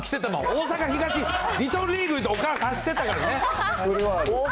大阪東リトルリーグ着て、おかん走ってたからね。